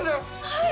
はい！